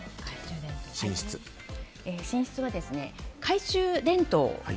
寝室は、懐中電灯。